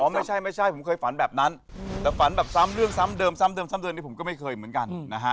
ไม่ใช่ไม่ใช่ผมเคยฝันแบบนั้นแต่ฝันแบบซ้ำเรื่องซ้ำเดิมซ้ำเติมซ้ำเดือนนี้ผมก็ไม่เคยเหมือนกันนะฮะ